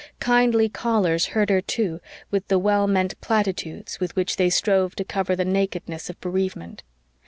Kindly callers hurt her, too, with the well meant platitudes with which they strove to cover the nakedness of bereavement.